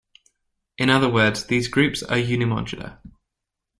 In other words, these groups are unimodular.